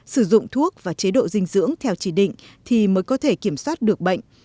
sử dụng thuốc và chế độ dinh dưỡng theo chỉ định thì mới có thể kiểm soát được bệnh